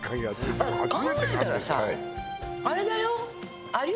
考えたらさあれだよ？